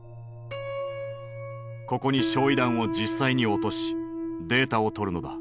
ここに焼夷弾を実際に落としデータを取るのだ。